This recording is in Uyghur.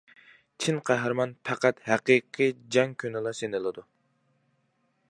چىن قەھرىمان پەقەت ھەقىقىي جەڭ كۈنىلا سىنىلىدۇ.